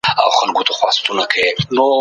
لمر اسانه حل لاره ده.